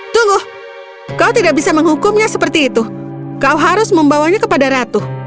tunggu kau tidak bisa menghukumnya seperti itu kau harus membawanya kepada ratu